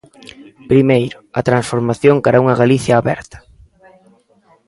Primeiro, a transformación cara a unha Galicia aberta.